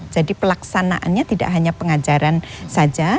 jadi pelaksanaannya tidak hanya pengajaran saja